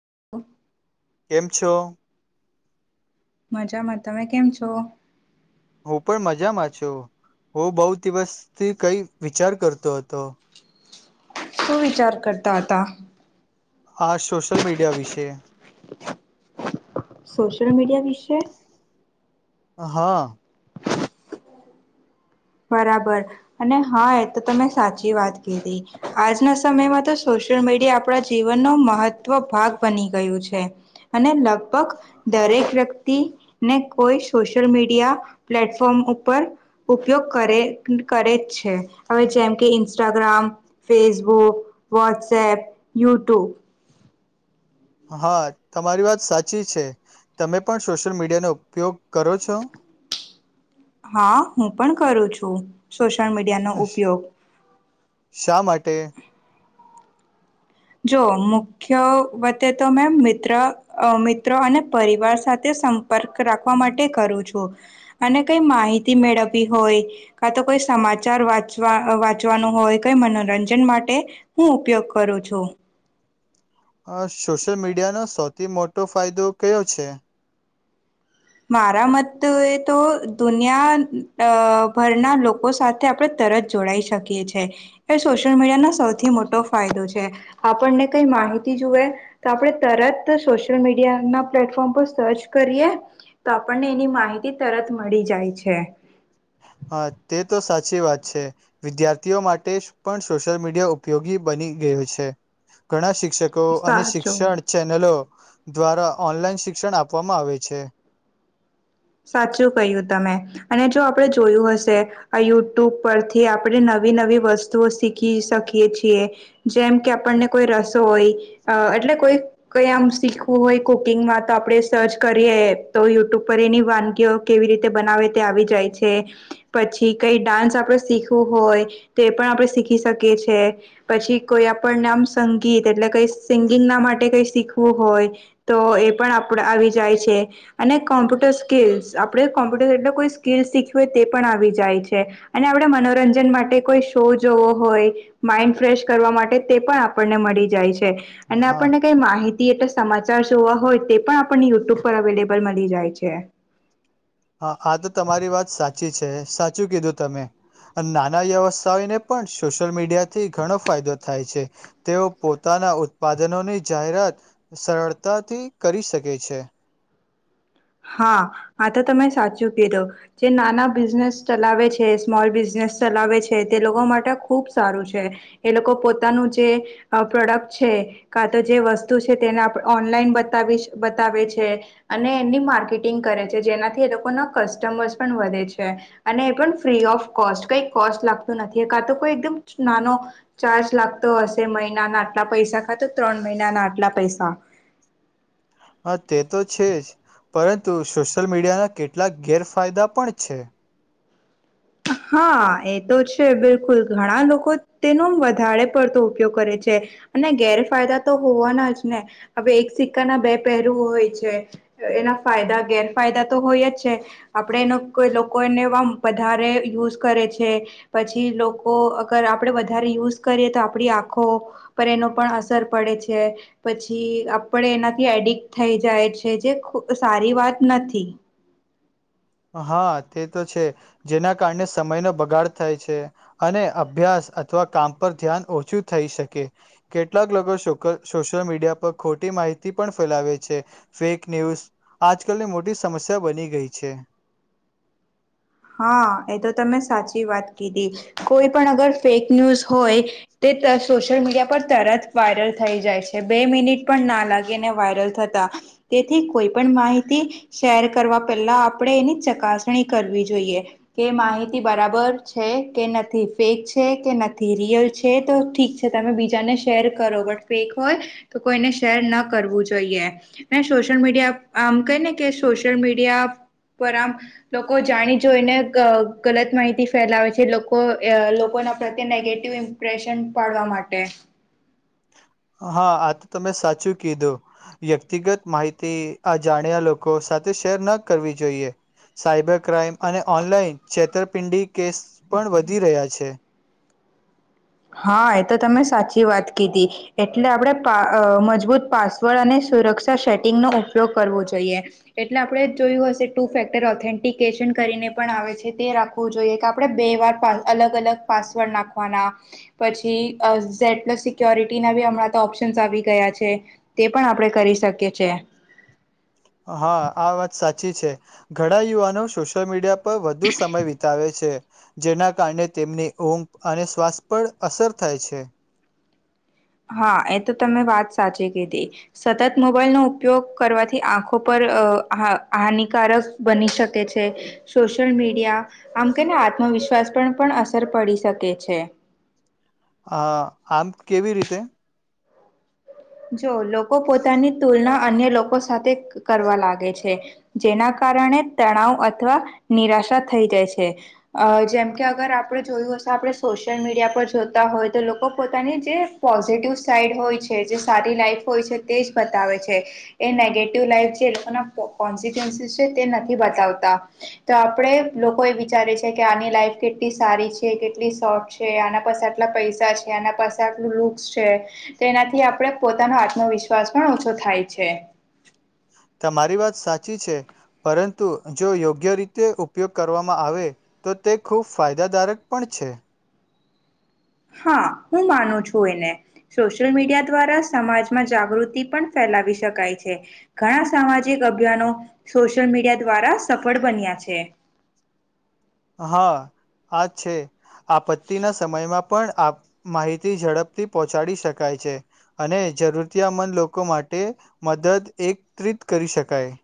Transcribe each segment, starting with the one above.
[inaudible] કેમ છો? મજામાં તમે કેમ છો? હું પણ મજામાં છ હું બૌ દિવસથી કઈ વિચાર કરતો હતો. શું વિચાર કરતા હતા? આ સોશિયલ મીડિયા વિશે. સોશિયલ મીડિયા વિશે? હા. બરાબર અને હા એ તો તમે સાચી વાત કીધી આજના સમયમાં તો સોશિયલ મીડિયા આપણા જીવનનો મહત્વ ભાગ બની ગયું છે અને લગભગ દરેક વ્યક્તિને કોઈ સોશિયલ મીડિયા પ્લેટફોર્મ ઉપર ઉપયોગ કરે કરે છે હવે જેમ કે ઇન્સ્ટાગ્રામ, ફેસબુક વોટ્સએપ, યુટ્યુબ હા તમારી વાત સાચી છે તમે પણ સોશિયલ મીડિયાનો ઉપયોગ કરો છો? હા હું પણ કરું છું. સોશિયલ મીડિયાનો ઉપયોગ. શા માટે? જો મુખ્ય વતે તો મેં મિત્ર મિત્રો અને પરિવાર સાથે સંપર્ક રાખવા માટે કરું છું અને કઈ માહિતી મેળવવી હોય કા તો કોઈ સમાચાર વાંચવા વાંચવાનું હોય કઈ મનોરંજન માટે હું ઉપયોગ કરું છું. અ સોશિયલ મીડિયાનો સૌથી મોટો ફાયદો કયો છે? મારા મત એ તો દુનિયા ભરના લોકો સાથે આપડે તરત જોડાઈ શકીએ છેએ એ સોશિયલ મીડિયાનો સૌથી મોટો ફાયદો છે આપણને કઈ માહિતી જોુએ તો આપણે તરત સોશિ્યલ મીડિયા ના પ્લેટફોર્મ પર સર્ચ કરીએ તો આપણને એની માહિતી તરત મળી જાય છે. હા તે તો સાચી વાત છે વિદ્યાર્થીઓ માટે પણ સોશિયલ મીડિયા ઉપયોગી બની ગયું છે ઘણા શિક શિક્ષકો અને સાચું શિક્ષણ ચેનલો દ્વારા ઓનલાઈન શિક્ષણ આપવામાં આવે છે. સાચું કહ્યું તમે અને જો આપણે જોયું હશે આ યુટ્યુબ પરથી આપણે નવી નવી વસ્તુઓ શીખી શકીએ છીએ જેમ કે આપણને કોઈ રસો હોય એટલે કોઈ કઈ આ શીખવું હોય કુકિંગમાં તો આપણેે સર્ચ કરીએ તો યુટ્યુબ પર એની વાનગીઓ કેવી રીતે બનાવે તે આવી જાય છે પછી કઈ ડાન્સ આપણે શીખવું હોય તો એ પણ આપણે શીખી શકીએ છે પછી કોઈ આપણને આમ સંગીત એટલે કઈ સિંગિંગ ના માટે કઈ શીખવું હોય તો એ પણ આપ આવી જાય છે અને કોમ્પ્યુટર સ્કીિલ્લ્સ આપણે કોમ્પ્યુટર એટલે કોઈ સ્કીિલ્લ્સ શીખવી હોય તે પણ આવી જાય છે અને આપણે મનોરંજન માટે કોઈ શો જોવો હોય માઈન્ડ ફ્રેશ કરવા માટે તે પણ આપણને મળી જાય છે. અને હા આપણને કઈ માહિતી [unintelligible] સમાચાર જોવા હોય તે પણ આપણને યુટ્યુબ પર અવેલેબલ મળી જાય છે. હા આ તો તમારી વાત સાચી છે. સાચું કીધું તમે નાના વ્યવસ્થાને પણ સોશિયલ મીડિયાથી ઘણો ફાયદો થાય છે તેઓ પોતાના ઉત્પાદનોની જાહેરાત સરળતાથી કરી શકે છે. હા આ તો તમે સાચું કીધું જે નાના બિઝનેસ ચલાવે છે સ્મોલ બિઝનેસ ચલાવે છે તે લોકો માટે ખુબ સારું છે એ લોકો પોતાનું જે પ્રોડક્ટ છે કા તો જે વસ્તુ છે તેને ઓનલાઈન બતાવી બતાવે છે અને એની માર્કેટિંગ કરે છે જેનાથી એ લોકોના કસ્ટમર્સ પણ વધે છે અને એ પણ ફ્રી ઓફ કોસ્ટ કઈ કોસ્ટ લાગતું નથી કા તો કોઈ એકદમ નાનો ચાર્જ લાગતો હશે મહિનાના આટલા પૈસા કા તો ત્રણ મહિનાના આટલા પૈસા હા તે તો છે જ પરંતુ સોશિયલ મીડિયાના કેટલાક ગેરફાયદા પણ છે. હા એ તો છે બિલકુલ ઘણા લોકો તેનો વધારે પડતો ઉપયોગ કરે છે અને ગેરફાયદા તો હોવાના જ ને હવે એક સિક્કા ના બે પહેરું હોય છે એના ફાયદા ગેરફાયદા તો હોય જ છે આપણે એનો કોઈ લોકોને વધારે યુઝ કરે છે પછી લોકો અગર આપણે વધારે યુઝ કરીએ તો આપણી આંખો પર એનો પણ અસર પડે છે પછી આપણે એનાથી એડિક્ટ થઈ જાય છે જે સારી વાત નથી. હા તે તો છે જેના કારણે સમયનો બગાડ થાય છે અને અભ્યાસ અથવા કામ પર ધ્યાન ઓછું થઈ શકે કેટલાક લોકો સોશિયલ મીડિયા પર ખોટી માહિતી પણ ફેલાવે છે ફેક ન્યૂઝ આજકાલની મોટી સમસ્યા બની ગઈ છે હા એ તો તમે સાચી વાત કીધી કોઈ પણ અગર ફેક ન્યૂઝ હોય તે સોશિયલ મીડિયા પર તરત વાયરલ થઈ જાય છે બે મિનિટ પણ ના લાગીને વાયરલ થતા તેથી કોઈ પણ માહિતી શેર કરવા પહેલા આપણે એની ચકાસણી કરવી છે જોઈએ એ માહિતી બરાબર છે કે નથી ફેક છે કે નથી રિયલ છે તો ઠીક છે તમે બીજાને શેર કરો બટ ફેક હોય તો કોઈને શેર ન કરવું જોઈએ ને સોશિયલ મીડિયા આમ ક ને કે સોશિયલ મીડિયા પર આમ લોકો જાણી જોઈને ગલત માહિતી ફેલાવે છે લોકો લોકોના પ્રત્યે નેગેટિવ ઇમ્પ્રેશન પાડવા માટે હા આ તો તમે સાચું કીધું વ્યક્તિગત માહિતી આ જાણ્યા લોકો સાથે શેર ન કરવી જોઈએ સાયબર ક્રાઈમ અને ઓનલાઈન છેતરપિંડી કેસ પણ વધી રહ્યા છે. હા એ તો તમે સાચી વાત કીધી એટલે આપણે પા મજબૂત પાસવર્ડ અને સુરક્ષા સેટિંગનોો ઉપયોગ કરવો જોઈએ એટલે આપણે જોયું હશે ટુ ફેક્ટર ઓથેન્ટિકેશન કરીને પણ આવે છે તે રાખવું જોઈએ કે આપણે બે વાર અલગ અલગ પાસવર્ડ નાખવાના પછી અ ઝેડ પ્લસ સિક્યોરિટીના બી હમણાં તો ઓપ્શન્સ આવી ગયા છે તે પણ આપણે કરી શકીએ છે. હા, આ વાત સાચી ઘણા યુવાનો સોશિયલ મીડિયા પર વધુ સમય વિતાવે છે, જેના કારણે તેમની ઊંઘ અને શ્વાસ પર અસર થાય છે. હા, એ તો તમે વાત સાચી કીધી સતત મોબાઈલનોો ઉપયોગ કરવાથી આંખો પર હાનિકારક બની શકે છે, સોશિયલ મીડિયા આમ કેને આત્મવિશ્વાસ પર પણ અસર પડી શકે છે. હ આમ કેવી રીતે? જો લોકો પોતાની તુલના અન્ય લોકો સાથે કરવા લાગે છે, જેના કારણે તણાવ અથવા નિરાશા થઈ જાય છે, અ જેમકે અગર આપણે જોયું હશે આપણે સોશિયલ મીડિયા પર જોતા હોય તો લોકો પોતાની જે પોઝિટિવ સાઈડ હોય છે, જે સારી લાઈફ હોય છે તે જ બતાવે છે એ નેગેટિવ લાઈફ જે એ લોકોના કોન્સિટન્સીસ છે તે નથી, બતાવતા તો આપણે લોકો એ વિચારે છે કે આની લાઈફ કેટલી સારી છે કેટલી શોર્ટ છે, આના પાસે આટલા પૈસા છે આના પાસે આટલું લુક્સ છે, ત એનાથી આપણે પોતાનો આત્મવિશ્વાસ પણ ઓછો થાય છે. તમારી વાત સાચી છે પરંતુ, જો યોગ્ય રીતે ઉપયોગ કરવામાં આવે તો તે ખૂબ ફાયદાદારક પણ છે. હા, હું માનું છું એને સોશિયલ મીડિયા દ્વારા સમાજમાં જાગૃતિ પણ ફેલાવી શકાય છે, ઘણા સામાજિક અભિયાનો સોશિયલ મીડિયા દ્વારા સફળ બન્યા છે. હા, આ છે આપત્તિના સમયમાં પણ આપ માહિતી ઝડપથી પહોંચાડી શકાય છે, અને જરૂરિયામંદ લોકો માટે મદદ એકત્રિત કરી શકાય,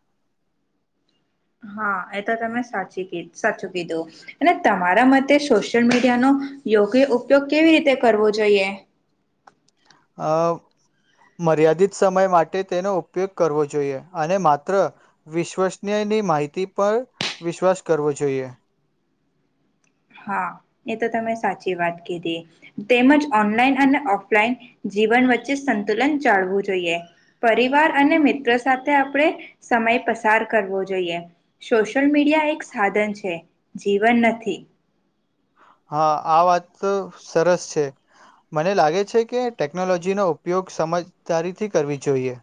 હા, એ તો તમે સાચી કી સાચું કીધું અને તમારા મતે સોશિયલ મીડિયાનો યોગ્ય ઉપયોગ કેવી રીતે કરવો જોઈએ? અ મર્યાદિત સમય માટે તેનો ઉપયોગ કરવો જોઈએ, અને માત્ર વિશ્વસનીયની માહિતી પર વિશ્વાસ કરવો જોઈએ. હા, એ તો તમે સાચી વાત કીધી તેમજ ઓનલાઈન અને ઓફલાઈન જીવન વચ્ચે સંતુલન જાળવું જોઈએ, પરિવાર અને મિત્રો સાથે આપણે સમય પસાર કરવો જોઈએ, સોશિયલ મીડિયા એક સાધન છે જીવન નથી. હા, આ વાત તો સરસ છે મને લાગે છે કે ટેકનોલોજીનોો ઉપયોગ સમજદારી થી કરવી જોઈએ.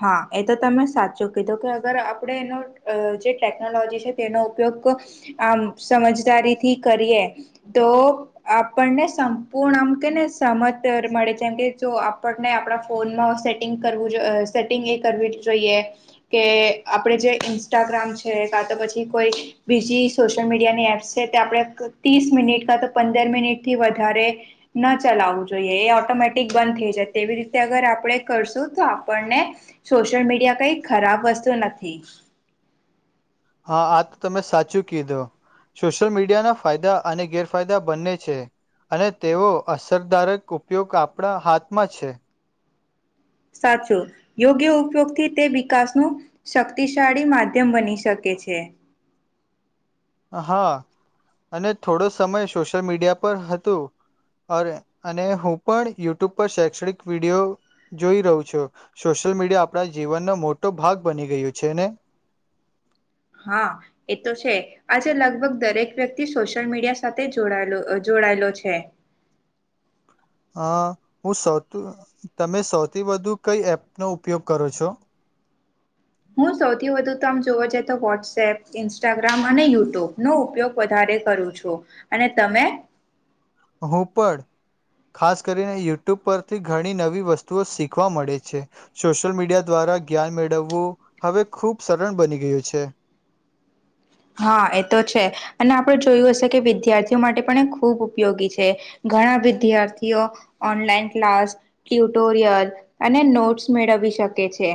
હા, એ તો તમે સાચું કીધું કે અગર આપણે એનો અ જે ટેકનોલોજી છે, તેનો ઉપયોગ આમ સમજદારીથી કરીએ તો આપણને સંપૂર્ણ આમ કે ને સમત મળે છેમ કે જો આપણને આપણા ફોનમાં સેટિંગ કરવું અ સેટિંગ એ કરવી જોઈએ, કે આપણે જે ઇન્સ્ટાગ્રામ છે કા તો પછી કોઈ બીજી સોશિયલ મીડિયાની એપ્સ છે તે આપણે ત્રીસ મિનિટ કા તો પંદર મિનિટથી વધારે ન ચલાવવું જોઈએ, એ ઓટોમેટિક બંધ થઈ જાય તેવી રીતે અગર આપણે કરશું, તો આપણને સોશિયલ મીડિયા કઈ ખરાબ વસ્તુ નથી. ચૂકીધો સોશિયલ મીડિયાના ફાયદા અને ગેરફાયદા બંને છે, અને તેવો અસરદારક ઉપયોગ આપણા હાથમાં છે. સાચું યોગ્ય ઉપયોગથી તે વિકાસનું શક્તિશાળી માધ્યમ બની શકે છે. હા, અને થોડો સમય સોશિયલ મીડિયા પર હતું અરે અને હું પણ યુટ્યુબ પર શૈક્ષણિક વિડીયો જોઈ રહું છું, સોશિયલ મીડિયા આપણા જીવનનો મોટો ભાગ બની ગયું છે, ને હા, એ તો છે આજે લગભગ દરેક વ્યક્તિ સોશિયલ મીડિયા સાથે જોડાયલો જોડાયેલો છે. અ હું સૌ તમે સૌથી વધુ કઈ એપનો ઉપયોગ કરો છો? હું સૌથી વધુ તો આમ જોવ જઈએ તો વોટ્સએપ ઇન્સ્ટાગ્રામ અને યુટ્યુબ નો ઉપયોગ વધારે કરું છું, અને તમે હું પણ ખાસ કરીને યુટ્યુબ પરથી ઘણી નવી વસ્તુઓ શીખવા મળે છે, સોશિયલ મીડિયા દ્વારા જ્ઞાન મેળવવું હવે ખૂબ સરળ બની ગયું છે. હા, એ તો છે અને આપણે જોયું હશે કે વિદ્યાર્થીઓ માટે પણ એ ખૂબ ઉપયોગી છે, ઘણા વિદ્યાર્થીઓ ઓનલાઈન ક્લાસ ટ્યુટોરિયલ અને નોટ્સ મેળવી શકે છે,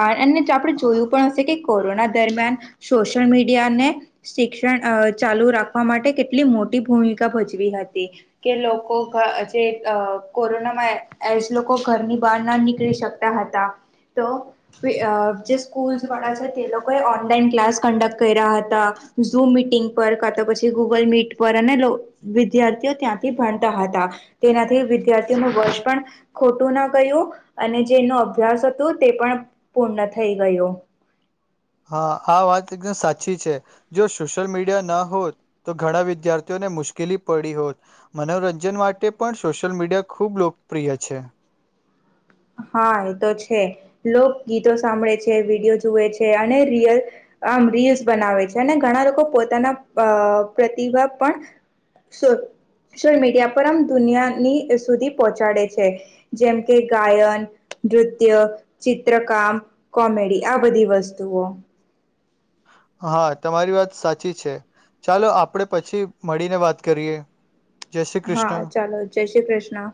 આ અને આપડે જોયું પણ હશે કે કોરોના દરમિયાન સોશિયલ મી મીડયાને શિક્ષણ અ ચાલુ રાખવા માટે કેટલી મોટી ભૂમિકા ભજવી હતી, કે લોકો જે અ કોરોનામાં એજ લોકો ઘરની બહાર ના નીકળી શકતા હતા, તો જે સ્કૂલ વાળ છે તે લોકો ઓનલાઈન ક્લાસ કડક કર્યા હતા, ઝૂમ મીટિંગ પર કા તો પછી ગૂગલ મીટ પર અને વિદ્યાર્થીઓ ત્યાંથી ભણતા હતા તેનાથી વિદ્યાર્થીઓનુ વર્ષ પણ ખોટું ન ગયું અને જેનો અભ્યાસ હતો, તે પણ પૂર્ણ થય ગયો હા, આ વાત એકદમ સાચી છે જો સોશિયલ મીડિયા ન હોત તો ઘણા વિદ્યાર્થીઓને મુશ્કેલી પડી હોત, મનોરંજન માટે પણ સોશિયલ મીડિયા ખૂબ લોકપ્રિય છે. હા, એ તો છે લોક ગીતો સાંભળે છે વિડીયો જુએ છે અને રીયલ આમ રીલ્સ બનાવે છે, અને ઘણા લોકો પોતાના અ પ્રતિભા પણ સોશલ મીડિયા પર આમ દુનિયાની સુધી પહોંચાડે છે, જેમ કે ગાયન નૃત્ય ચિત્રકામ કોમેડી આ બધી વસ્તુઓ હા, તમારી વાત સાચી છે, ચાલો આપણે પછી મળીને વાત કરીએ જય શ્રી હા કૃષ્ણ ચાલો જય શ્રી કૃષ્ણ.